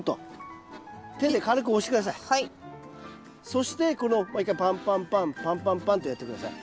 そしてもう一回パンパンパンパンパンパンとやって下さい。